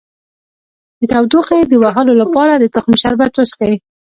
د تودوخې د وهلو لپاره د تخم شربت وڅښئ